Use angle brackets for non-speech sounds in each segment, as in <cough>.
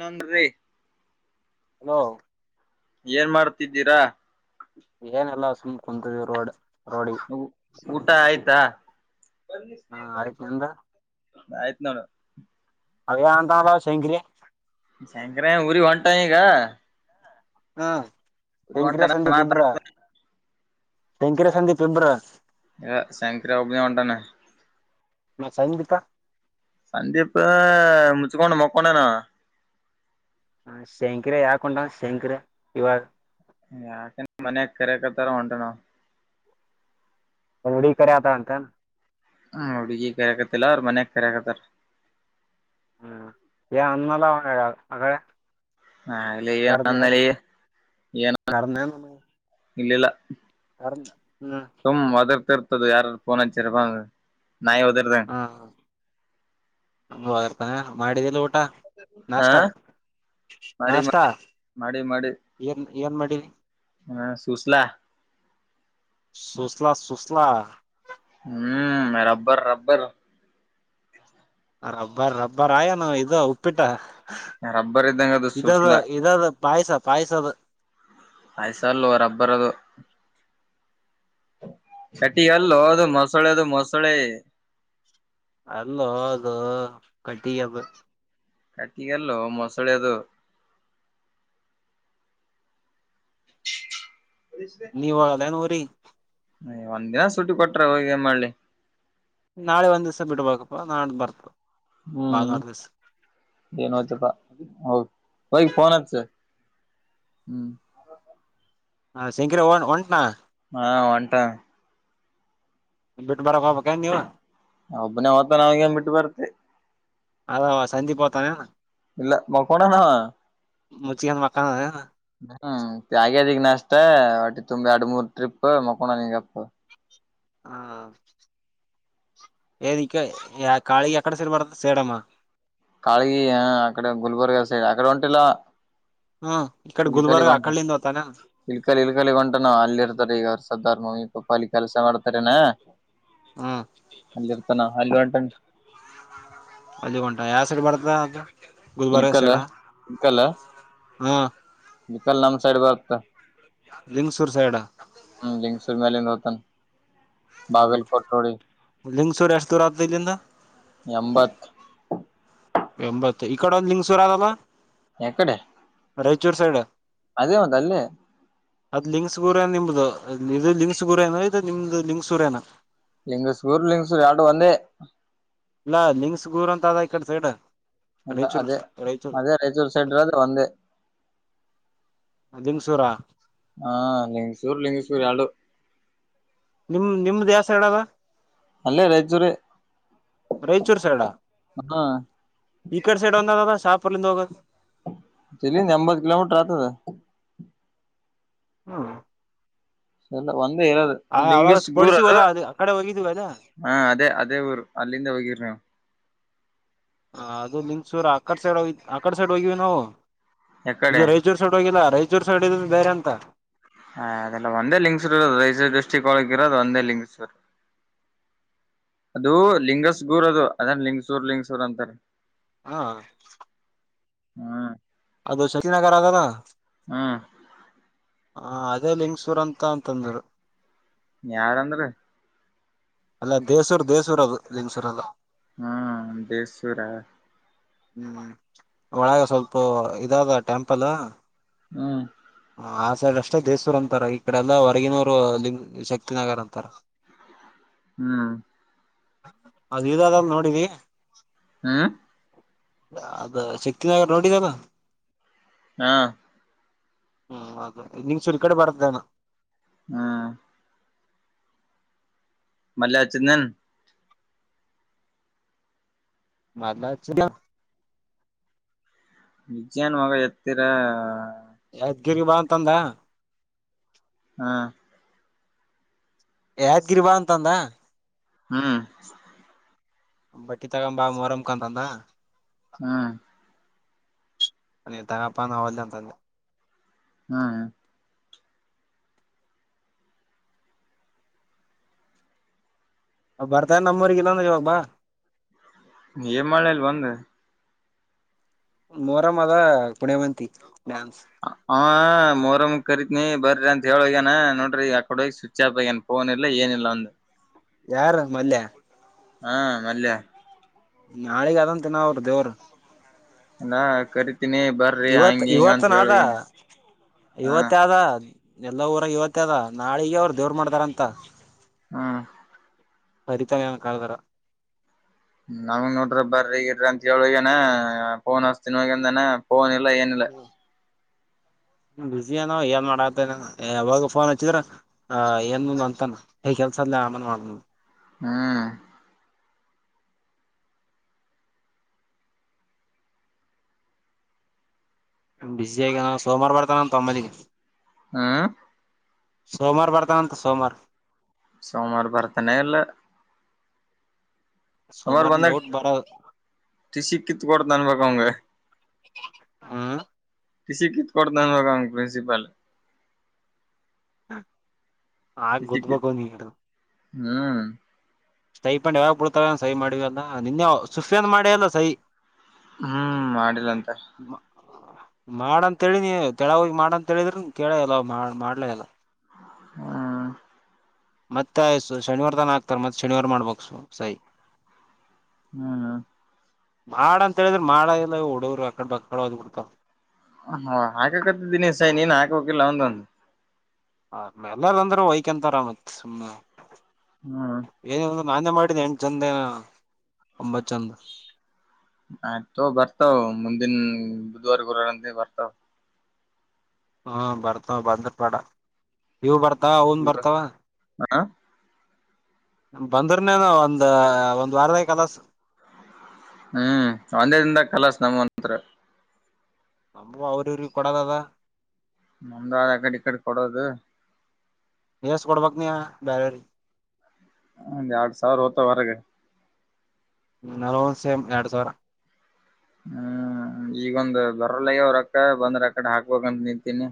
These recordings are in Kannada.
ನ್ನನ್ ಹಲೋ ಏನ್ ಮಾಡ್ತಿದ್ದೀರಾ ಏನೆಲ್ಲಸುಮ್ ಕುಂತರ್ೋಡ್ ಊಟ ಆಯ್ತಾ ಹಾ ಆ ರೀತಿ ನಂದ ಆಯತ್ ನಡ ಅವೇ ಅಂತ ಶೇಂಕರಿ ಸಂಂಕರ ಊರಿ ಹೊಂಟಾಯಗ ಹ್ಮ ಸಂಕರ ಸಂಜೆ ಮಾತ ಇಬ್ರ ಶಂಕರ ಸಂಂದಿ ಪೆಬ್ರ ಈಗ ಶಂಕರಾವಬ ಉಟಾನ ನ ಸಹ ಬಿಿತ ಸಂದಿಪ ಮುಚ್ಚಿಕೋೊಂಡ್ಣ ಮಕ್ಕೊಂಡಣ ಹ ಶೇಂಕರ ಯಾಕ ಉಂಟ ಶೇಂಕರ ಇವಾಗ ಯಾಕಂದ್ರ ಮನ್ಯ ಕರೆಕರ್ತಾರ ಹೊಂಟಣ ಹೊಡಿ ಕತ ಅಂತ ಹ್ಮ ಹಡುಗಿ ಕರಕಲ್ಲ ಮನೆ ಕಕತಾರ ಹ್ಮ ಏ ಅನ್ನಲ್ಲ ಉ್ಣ ಕದು ಅಡೆ ಹಾಲ್ಲ ಈಏನ ನಲೆ ಈನ ಇಲ್ಲಲ್ಲ ಕಾರ ಹ್ಮ್ ಮತ್ತ ಯಾರುೋನಚರ್ಪ ಹಾರ್ತಾನೆ ಮಾಡಿದ್ದ ಹ ನಾಷ್ಟತ ಮಾಡಿ ನಷ್ಟಾ ಮಾಡಿ ಮಾಡಿ ಮಾಡಿ ಏನ್ ಏನ್ ಮಾಡಿ ಸುಸಲ ಸುಸ್ಲಾ ಸುಸ್ಲಾ ಹ್ಮ್ ರಬ್ಬರ್ ರಬ್ಬರ್ ರಬ್ಬರ್ ರಬ್ಬರ್ ಆಯ ನ ಇದು ಉಪ್ಪಿಟ್ಟ ರಬ್ಬರ್ ಇದ್ದಂಗ ಅದು ಇದಾದ ಸೂಸ್ಲ ಇದಾದ ಪಾಯಸ ಪಾಯಸದ ಪಯ್ಸ ರಬ್ಬರ್ ಅದು ಕಟಿ ಅಲ್ಲ ಅದು ಮೊಸಳೆ ಅದು ಮೊಸಳೆ ಅಲ್ಲೋ ಅದು ಕಟಿಿಯ ಕಟ್ಟಗಲ್ಲ ಮಸಳೆದು ನೀ ಒಳಲ್ಲಏನ್ ಊರಿೀ ಒಂದ್ ದಿನ ಸೂಟಿ ಕೊಟ್ರ ಹೋಗ ಮಾಡಿ ನಾಳೆ ಒಂದ್ ದಿವ್ಸ ಬಿಡ್ಬೇಕಪ್ಪ ನಾ ಬರ್ತ ಹ್ಮ್ ಭಾನುವಾರ ದಿವ್ಸ ಎನೈತಪ ಹೋಗ ಫೋನ್ ಅಂಚು ಹ್ಮ್. ಹಾ ಶಂಕರ ಒಂಟನಾ. ಹಾ ಒಂಟ ಬಿಟ್ಟು ಬರಕ್ ಹೋಗ್ಬೇಕೇನ್ ನೀವು ಒಬ್ಬನೇ ಹತ ನಾವಗೆ ಬಿಟ್ಟು ಬರ್ತೆ. ಅದ ಸಜಿ ಪತಾನೆ ಇಲ್ಲ ಮಕೋಣಣ ಅವ ಮುಚಿಗೆಯನ್ ಮಕ್ಕಾನಾ ಅದ ನಾಸ್ತಟ್ಟಿ ತುಂಬಿ ಅಡು ಮೂರು ಟ್ರಿಪ್ ಮಕೊಡ ನಿಗಪ್ಪ. ಹಾ ದ ಇಕ್ಕ ಖಾಳಿಗ ಎಕ್ಕಡೆ ಸರಿ ಪಡತ ಸೇಡಮ್ಮ ಕಾಳಗಿ ಅಡೆ ಗುಲ್ಬರ್ಗ ಸೈಡ್ ಅಕಡೆ ಒಂಟಲ್ಲ ಹ್ಮ ಇ ಕಡೆ ಗುಲ್ಬರ್ಗ ಅ ಕಡ್ಿಂದ ಹತಾನ ಇಲ್ ಕಲ್ ಇಲ್ ಕಲ್ಗ ಹೊಂಟಾನ ಅಲ್ಲಿ ಇರ್ತಾರೆ ಈಗ ಸರ್ದಾರ್ ಮಿ. ಇ ಪಳ ಕೆಲಸ ಮಾಡತರನ ಹ್ಮ್ ನಲ್ಲಿರ್ತನ. ಹಲ್ ಹೊಂಟೇನೆ ಅಲ್ಲಿ ಹೊಂಟ ಯಾವ ಸೈಡ್ ಬರ್ತ ಅದು ಗುಲ್ಬರ್ಗ ಸೈಡ. ಕೊಲ ಹ್ಮ್ ವಿಕಲ್ ನಮ್ ಸೈಡ್ ಬರುತ್ತ ಲಿಂಗಸೂರ್ ಸೈಡ್ ಹ್ಮ್ ಲಿಂಗಸೂರ್ ಮೇಲ ಹ. ಮತ್ತ. ಹ್ಮ್ ಬಾಗಲಕೋಟೆ ಒಳಗಡೆ ಲಿಂಗಸೂರ್ ಎಷ್ಟ್ ದೂರ ಆತದ ಇಲ್ಲಿಂದ ಎಂಬತ್ ಎಂಬತ್ತು ಇ ಕಡೆ ಒಂದ ಲಿಂಗಸೂರ ಅದ ಅಲ್ಲ. ಯಾಕಡೆ ಸೈಡ್ ಅದೇ ಹೌದು ಆಲ್ಲೇ. ಅದ್ ಲಿಂಗಕ್ಸ್ ಗುರೇ ನಿಮ್ದು ಇದು ಲಿಕ್ಸ್ ಗುರೇನ ಇದು ನಿಮ್ದು ಲಿಂಕ್ಸ್ ಗುರೇನ. ಲಿಂಗಸೂರ ಊರು ಲಿಂಗಸೂರ ಎರಡು ಒಂದೆ ಇಲ್ಲ ಲಿಂಗಕ್ಸ್ ಗೂರ್ ಅಂತ ಅದ ಇಕಡೆ ಸೈಡ್. ಇಲ್ಲ ರಾಯಚೂರ್ ಅದೇ ರಾಯಚೂರ್ ಅ ರಾಯಚೂರು ಸೈಡ್ದ ಒಂದೆ. ಅದಿಂಗಸೂರ. ಹಾ ಲಿಂಗಸೂರ್ ಲಿಂಗಸೂರ್ ಎರಡು. ನಿಮ್ ನಿಮ ಯಾವ ಸೈಡ್. ಅಲ್ಲೇ ರಾಯಚೂರ ರಾಯಚೂರ್ ಸೈಡ್ ಹಾ ಈ ಕಡೆ ಸೈಡ್ ಒಂದದ ಶಾಪುರು ನಿಂದ ಹೋಗದು ಇಲ್ಲಿಂದ ಅಂಬತ್ತು ಕಿಲೋಮೀಟರ್ ಆತ. ಹಾ ಸಲ್ಲ ಒಂದೇ ಇರದು ಲಿಂಗಸ್ ಗೂರ್ ಸ್ಪೋರ್ಟ್ಸಿಗೆ ಅದು. ಹೋದ ಅ ಆ ಕಡೆ ಹೋಗಿದ್ವಿ ಅದ ಹಾ ಅದೇ ಅದೇ ಊರು ಅಲ್ಲಿಂದ ಹೋಗಿರಿ ನವು. ಹ ಅದು ಲಿಂಕ್ ಸೂರ ಆಕಡೆ ಸೈಡ ಆ ಕಡೆ ಸೈಡ್ ಹೋಗಿವವಿ ನಾವು ಯಾಕಡೆ ಇದು ರಾಯಚೂರ್ ಸೈಡ್ ಹೋಗಿಲ್ಲ ರಾಯಚೂರ್ ಸೈಡ್ ಇದ ಬೇರೆ ಅಂತ. ಹಾ ಅದೆಲ್ಲ ಒಂದೇ ಲಿಂಗ್ಸೂರ್ ಇರೋದು ರೈಸೂರು ಡಿಸ್ಟ್ರಿಕ್ ಒಳಗ ಇರೋದು ಒಂದೇ ಲಿಂಗ್ಸೂರ್. ಅದು ಲಿಂಗಸ್ಗೂರ್ ಅದು ಅದನ್ ಲಿಂಗಸೂರ್ ಲಿಂಗಸೂರ್ ಅಂತಾರೆ. ಹಾ ಹ್ಮ ಅದು ಶತಿನಗರ ಅದದಾ. ಹ್ಮ ಹ ಅದೇ ಲಿಂಗ್ಸೂರ್ ಅಂತ ಅಂತಂದರು. ಯಾರ ಅಂದ್ರು ಅಲ್ಲ ದೇಸೂರ್ ದೇಸೂರ್ ಅದು <unintelligible> ಹಾ ದೇಶಸುರ ಹ್ಮ್ ಒಳಗೆ ಸ್ವಲ್ಪ ಇದಾಗ ಟೆಂಪಲ್. ಹ್ಮ್ ಆ ಅಷ್ಟೇ ದೇಸೂರ್ ಅಂತಾರ ಈ ಕಡೆ ಎಲ್ಲ ಹೊರಗಿನೂರು ಲಿಂಗ ಶಕ್ತಿನಗರ ಅಂತಾರ. ಹ್ಮ್ ಅದ ಇ ನೋಡಿ ಹಾ ಅದ ಶಕ್ತಿನಗರ್ ನೋಡಿದದ ಹಾ ಹ್ಮ ಅ ನಿಂಗ ಸುರಿ ಕಡೆ ಬರದೇನಾ ಹ್ಮ ಮಲ್ಲೆ ಅಚಂದನ್ ಮದ ಚ ವಿಜ್ಯಾನ ಮಗ ಎತ್ತರ ಗಿರಿ ಬಂತಂದ ಹಾ ಯಾದ್ಗಿರಿ ಬಾ ಅಂತಂದ ಹ್ಮ್ ಬಟ್ಟಿ ತಗಂಬಾ ಮರಮ ಕಂತಂದ ಹ್ಮ್ ಅ ತಗಪ್ಪಾನ ಹಲ್ಲ ಅಂತಂದೆ ಹಾ ಬರ್ತಾರ ನಮ್ಮೂರಿಗಲ್ಲೊಂದ ಇಾವಾಗ ಬಾ ಮಲೆಯಲ್ಲಿ ಬಂದ ಮೋರಮ್ಮ ಅದ ಪುಣ್ಯವಂತಿ ಡ್ಯಾನ್ಸ್ ಹಾ ಮೋರಮ್ ಕರೀತ್ನಿ ಬರ್ರಿ ಅಂತ ಹೇಳಗ್ಯನ ನೋಡ್ರಿ ಆಕಡೋಗ ಸ್ವಿಚ್ ಆಪ್ ಆಗ್ಯನ್ ಫೋನ್ ಇಲ್ಲ ಏ ಲ್ಲ ಅಂತ ಯಾರು ಮಲ್ಯ ಹಾ ಮಲ್ಯ ನಾಳಿಗೆ ಅದಂತಂತ ನ ಅವರು ದೇವರು ನಾ ಕ ಇವತ್ ಇವತ್ತನ ಹ ಇವತ್ತದ ಎಲ್ಲ ಊರ ಇವತ್ತ ಅದ ನಾಳಿಗೆ ಅವರು ದೇವ್ರ ಮಾಡ್ದಾರಂತ ಹ್ಮ ಸರಿತನ ಕಲ್ದರ ನಮಗ್ ನೋಡ್ರಿ ಬರಗ್ರಿ ಅಂತ ಹೇಳುವಗನ ೋನ್ ಹಸ್ತನ್ಗಂದನ ನಿಲ್ಲ ಏನಲ್ಲ ಬಿಸ ಏನ ಏನ್ ಮಾಡತ ಯಾವಾಗ ಫೋನ್ ಹಚ್ಚಿದ್ರ ಏನ್ ಅಂತಾನ ಹ ಲ್ಲಾಮನ ಮಾಡು ಹ್ಮ್ ಬಿಸಿ ಆಗ ನ ಸೋಮವಾರ ಬಾರತ ನ ತೊಂಬಿಗೆ ಹ ಸೋಮವಾರ ಬರ್ತಂತ ಸೋಮವಾರ ಸೋಮವಾರ ಸುಮಾರು ಸೋಮವಾರ ಬಂದಕ್ ಡೌಟ್ ಬರೋದು ಟಿಸಿ ಕಿತ್ ಕೊಡ್ತನ್ಬೇಕ ಅವಂಗ <inaudible> <inaudible> <inaudible> ಆಗ ಟಿಸಿ ಕಿತ್ ಗೊದಬೇಕು ನೀಗಡು <unintelligible> <unintelligible> <unintelligible> ಹ್ಮ್ <inaudible> ಹ್ಮ್ ಮಾಡಿಲ್ಲಂತ <inaudible> ಹ್ಮ ಮತ್ತೆ ಆಯ್ಸು ಶನಿವಾರ ತಾನ ಹಾಕ್ತಾರೆ ಮತ್ತೆ ಶನಿವಾರ ಮಾಡ್ಬಕ್ಸು ಸೈ ಹ್ಮ್ ಹ್ಮ ಮಾಡ ಅಂತ ಹೇಳಿದ್ರೆ ಮಾಡ ಇಲ್ಲ ಉಡವರು ಆಕಡೆ ಬ ಅದ್ ಬಿಡ್ತಾವ ಹ ಹಾಕಕತಿದ್ದಿನಿ ಸಾಯ ನೀನ್ ಹಾಕಕಿಲ್ಲ ಒಂದ ಒಂದು ಆ್ಮ ಎಲ್ಲಾರಂದ್ರೂ ವೈಕಂತರಾಮತ್ ಸುಮ್ನೆ ಹ್ಮ್ ನಾನೇ ಮಾಡಿದ ಎಂಟಟ್ ಜಂದ ಏನ ಒಂಬತ್ ಜಂದ ಆಯ್ತೋ ಬರ್ತಾವ ಮುಂದಿನ ಬುಧವಾರ ಗುರುವವಾರ ಅಂದ ಬರ್ತಾವ ಹಾ ಬರ್ತಾವ ಬಂದ ಬೇಡ ನೀವು ಬರ್ತ ಅತ್ತಾ ಹನ್ ಬರ್ತಾವ ಹ ಬಂದ್ರನೇನು ಒಂದ ಒಂದ್ ವಾರದ ಕಲಸ ಹ್ಮ್ ಒಂದೇ ದಿಂದ ಕಲಸ ನಮ್ಮತ್ರತ್ರ ನಮ್ಮ ಅವರರು ಕೊಡ ದದಾ ನಂದಾ ಅಕಡಿ ಕಡಿ ಕೊಡದು ಎಸ್ ಕೊಡ್ಬಕ್ ನೀಯ ಬೇರ್ರರಿ ಒ್ ಎರಡ್ ಸಾವಿರ ಹ್ತ ಹೊರಗೆ ನಲ ಸೇಮ್ ಎರಡು ಸಾವಿರ ಹ್ಮ್ ಈಗೊಂದ್ ಬರಲ್ಲಗ ಅವ್ರಕ್ಕ ಬಂದ್ರ ಅಕ್ಕಡೆ ಹಾಕ್ ಕಂಡತನೆ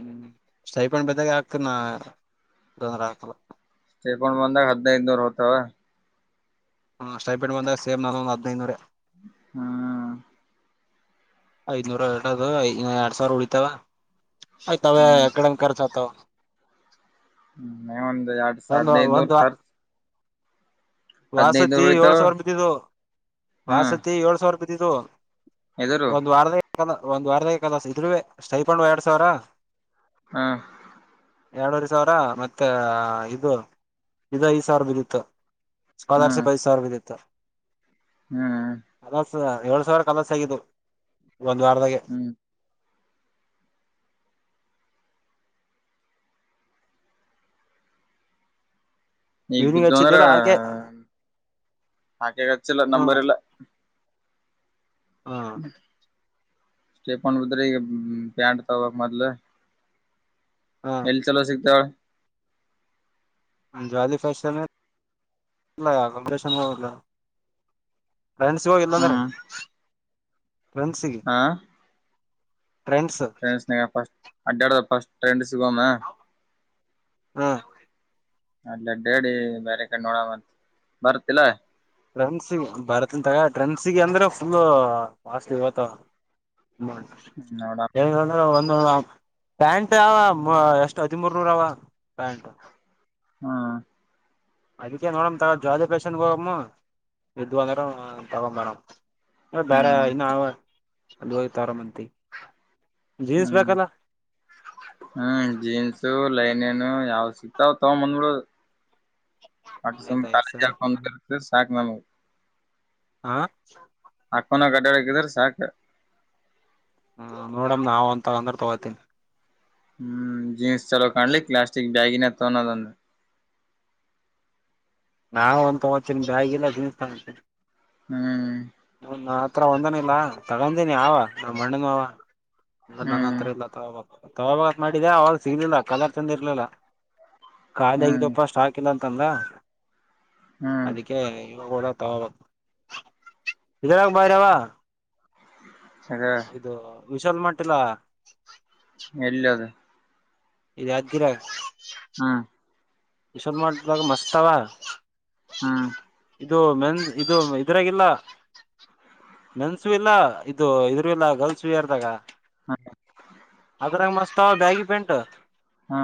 ಹ್ಮ್ ಸೈಪನ್್ ಬಿದ್ದಾಗ ಹಾಕ್ತ ನೊಂದ್ರ ಹಾಕಲ್ಲ ಪ ಬಂದಾಗ ಹದಿನ ಇನೂರು ಹತ ಹಾಂ್ಟೈಪಿಟ್ ಬಂದಾಗ ಸೇ್ ನಾನೊಂದು ಹದಿನೈದುನೂರ ಹಾ ಐದನೂರ ಎರಡದು ಎರಡ್ ಸಾವಿರ ಉಳಿತಾವ ಆಯ್ತಾವ ಹ್ಮ್ ಯ ಕಡೆ ಕರ್ಸತ ಮ ಒಂದು ಯ ಸಾ ಒಂದ್ ನ ದ ಒಂದ್ ರ್ಚ ವಾ ವಾಸತಿ ಏಳ್ ಸಾವಿರ ಬಿದ್ದಿದು ಹ್ಮ್ ವಾಸತಿ ಏಳ್ ಸಾವಿರ ಬಿದ್ದಿದು ಎದುರು ಒಂದ್ ವಾರದ ಒಂದ್ ವಾರದ ಕಲಸ ಇದ್ರ ಸ್ಟೈಪಂಡ ಎರಡ್ ಸಾವಿರ ಹ್ಮ ಎರಡೂರೆ ಸಾವಿರ ಮತ್ತೆ ಇದು ಇದು ಐದ್ ಸಾವಿರ ಬಿದ್ದಿತ್ತು ಹ್ಮ್ ಸ್ಕಾಲರ್ಶಿಪ್ ಐದು ಸಾವರ ಬಿದ್ದಿತ ಹ್ಮ್ ಏಳ್ ಸಾವಿರ ಕಲಸ ಆಗು ಒಂದ ವಾರದಾಗೆ ಹ್ಮ್ ಈಗ್ ಇವ್ನಿಗೆ ಬಿದ್ದು ಅಂದ್ರ ಹಚ್ಚಿದ್ದಿಲ್ಲ ಆಕೆ ಆಾಕೆ ಹಚ್ಚಿಲ್ಲ ಹ್ಮ್ ನಂಬರ್ ಇಲ್ಲ ಹಾ ಸ್ಟೆಪನ್ ಬರ ಪ್ಯಾಂಟ್ ತ ಮದಲ ಹ್ಮ್ ಎಲ್ಲಿ ಚಲೋ ಸಿಗ್ತಾಳ ಅಂಜವಾಲಿ ಫ್ಯಾಷನ್ ಅಕಮಿಡೆೇಶನ್ ಟ್ರೆಂಡ್ಸ್ ಹೋಗ ಇಲ್ಲ ಅಂದ್ರ ಹ್ಮ್ ಫನ್ಸಿಗೆ ಟ್ರೈಫಸ್ಟ್ ಅಡ್ಡಡ ಫಸ್ಟ್ ಟ್ರೈಂಡ ಸಿಗೋಮ್ಮ ಹಾ ಅಲ್ಲಡೇಡಿ ಬೇರೆ ಕಡೆ ನೋಡ ಮತ್ ಬರ್ತಿಲ್ಲ ಟ್ರೆನ್್ಸ ಬರ್ತನ್ಗ ಟ್ರೆಂಡ್ಸಿಗೆ ಅಂದ್ರೆ ಫುಲ್ ಪಸ್ಟ್ ಇವತ್ತ ಹ ನೋಡ ಏ್ರ ಒ ಪ್ಯಾಂಟ್ ಯ ಎಷ್ಟು ಹದಿಮೂರುನೂರಾವ ಪ್ಯಾಂಟ್ ಹಾ ಅದಕ್ಕೆ ನೋಡಮ ತಗ ಜಾಲಿ ಪಷನ್ಗೆೋಗಮ್ಮ ಇದ್ ಅಂದ್ರ ತಗೊ ಬೇಡಮ್ ಬಾರ ಹ್ಮ್ ಇನ್ನು ಅದು ಹೋಗ್ತರ ಮಂತಿ ಹ್ಮ್ ಹ್ಮ್ ಜನ್ಸು ಲ್ಲ ಏನೇನು ಯಾವ್ ಸಿಕ್ತಾವ ತಗೊ ಬಂದ್ಬಿಡು ಆಟ್ ಆಯ್ತ ಆಯ್ತ್ ಸರಿ ಕಾಲೇಜ್ಾಕಂದ ಇರ್ ಸಾಕಕ್ ನಮಗೆ ಹ ಅಡದ್ರ ಸಾಕ ಹ ನೋಡಮ ನಾವ್ ಅಂತಗಂದ್ರ ತಗೋತೀನಿ ಹ್ಮ್ ಜೀನ್ಸ್ ಚಲೋ ಕಾಣ್ಲಿಕ್ಕೆ ಪ್ಲಾಸ್ಟಿಕ್ ಬ್ಯಾಗಿಿನ ತಗನ್ನೋದಂದು ನಾವ ಒ ತಚನ್ ಬ್ಯಾಗಿ ಎಲ್ಲ ತಿನ್ತ ಹ್ಮ್ ಹತ್ರ ಒಂದನಿಲ್ಲಾ ತಗೊಂಡೀಿನಿ ಅವ ನ ಮಣ್ಣನ ಅವ ನನ್ನ ಹ್ಮ್ ಹತ್ರ ಇಲ್ಲವಾ ತಗಾಗತ್ ಮಾಡಿದ್ದ ಅವಾಗ ಸಿಗಲಿಲ್ಲ ಕಲರ್ ಚಂದ ಇರ್ಲಿಲ್ಲ ಖಾಲಿ ಹ್ಮ್ ಆಗಿದಪ್ಪ ಅಷ್ಟು ಹಾಕಿಲ್ಲ ಅಂತ ತ್ತ ಹ್ಮ್ ಅದಕ್ಕೆ ಇದ ಬರಾವ ಅದ ಇದು ವಿಶಾಲ್ ಮಟಿಲ್ಲಾ ಎಲ್ಲ ಅದ ಯಾದಗಿರಿ ಯಗ ಹ್ಮ್ ವಿಶಾಲ ಮಾರ್ಟ್ ದಾಗ ಮಸ್ತ್ ಆವಾ ಹ್ಮ್ ಇದು ಮೆನ್ ಇದು ಇದರಾಗಿಲ್ಲ ಮೆನ್ಸು ಇಲ್ಲ ಇದು ಇದರುೂ ಇಲ್ಲ ಗರ್ಲ್ಸ ಯಾರ್ದಾಗ ಅದ್ರಾಗ ಮಸ್ತ್ ಬ್ಯಾಗಿ ಪ್ಯಾಂಟ್ ಹಾ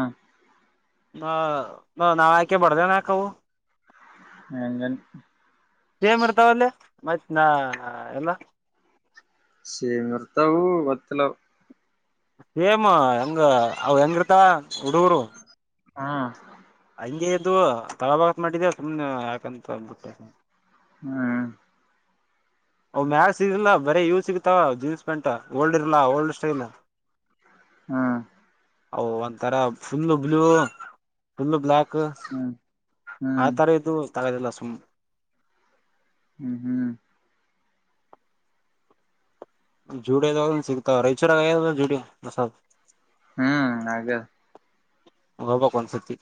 ನ ನಾಳಯ್ಕ ಬಡದ ನ ಕ ಹಂಗನ್ ಸೆಮ ಬರ್ತಾವಲ್ಲೇ ಮತ್ ನಾ ಎಲ್ಲ ಸೇ ನಿರ್ತಾವವು ಬತ್ತಲ ಸೇಮ್ ಹೆಂಗ ಅವ ಹೆಂಗಿರ್ತ ಹುಡುಗರು ಹಾ ಹಂಗೆ ಎದ್ದು ತಳಬಾಗತ್ ಮಾಡಿದೆ ಸುಮ್ನೆ ಯಾಕಂತಂದ್ಬಿಟ್ಟೆ ಹ್ಮ್ ಅ ಮ್ಯಾಕ್ಸ್ ಇಿಲ್ಲ ಬರೀ ಯೂಸ್ ಸಿಗತಾವ ಜೀನ್ಸ್ ಪ್ಯಾಂಟ್ ಓಲ್ಡ್ ಇರ್ಲ ಓಲ್ಡ್ ಸ್ಟೈಲ್ ಹ್ಮ್ ಒಂಥರ ಫುಲ್ಲ ಬ್ಲೂ ಫುಲ್ಲ ಬ್ಲಾಕ್ ಹ್ಮ್ ಹ್ಮ್ ಹಾತಾರೆತು ತಗತಲ್ಲಸ ಹ್ಮ್ ಹ್ಮ್ ಜುಡಿಿಯದಾಗ ಸಿಗ್ತಾವ ರೈಚೂರಾಗ ಜುಡಿ ಮಸ ಹ್ಮ್ ಹಾಗ ಬ ಕನ್ ಸತಿ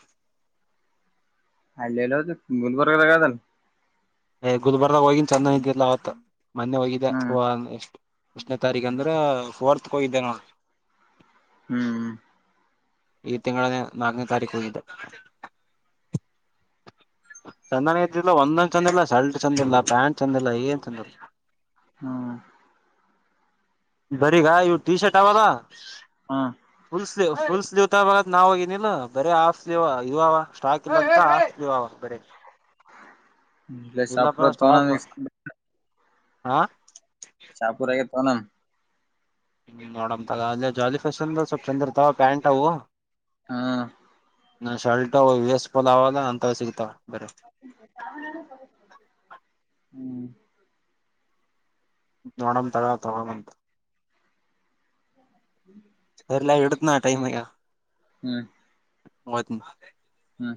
ಆಲ್ಲಲ್ಲದು ಬದ ಬರ್ದ ಗದಲ್ಲ ಏ್ ಗುಲ್ಬರ್ ಹೋಗಿನ್ ಚಂದ ಇದ್ದಿಲ್ಲ ಅವತ್ತು ಮೊನ್ನೆ ಹೋಗಿದ್ದ ಹ್ಮ್ ಹೂ ಎಷ್ಟು ಎನೇ ತಾರೀಕ ಅಂದ್ರ ಫೋರ್ತ್ಗೆ ಹೋಗಿದ್ದೆ ನೋ ಹ್ಮ್ ಈ ತಿಂಗಳಗಳನ್ನು ನಾಗನ ತಾರಿ ಕೂೋಗಿದೆ ಚೆಂದನ ಇದ್ದಿಲ್ಲ ಒಂದೊಂದ್ ಚಂದಿಲ್ಲ ಶರ್ಟ್ ಚಂದಿಲ್ಲ ಪ್ಯಾಂಟ್ ಚಂದಿಲ್ಲ ಏನ್ ಚಂದಿಲ್ಲ ಹ್ಮ ಬರೀಗ ಇವವು ಟೀ ಶರ್ಟ್ ಅವಲ್ಲಾ ಹಾ ್ ಫುಲ್ ಸ್ಲೀವ್ ತ ನಾ ಹೋಗಿಲ್ಲ ಬರೀ ಆಫ್ ಸ್ಲೀವ ಇವ ಸ್ಟಾಕ್ ಇ ಸ್ಲೀವ್ ಅವ ಬರ ಎ ಸಾಪಡೋ ತನ ಸ್ಟಾಕ್ ಹಾ ಹಣ ಹ್ಮ ನೋಡಂಂತ ಅಲ್ಲಿ ಜಾಲಿ ಫ್ಯಾಷನ್ ಸ್ವಲ್ಪ್ ಚಂದ ಇರ್ತಾವ ಪ್ಯಾಂಟ್ ಅವು ಹಾ ನ ಶರ್ಟ್ ವೇಸ್ಫಲ್ ಅವಲ್ಲ ಅಂತ ಸಿಗ್ತಾವ ಬರ ಚಾಮನಾಲ ಸಗ ನೋಡಮ ತಗ ತಂತ ಹ್ಮ ಸರಿಲ್ಲ ಇಡತ್ ನ ಟೈಮ ಹಗ ಹ್ಮ್ ಮದ ಹಾ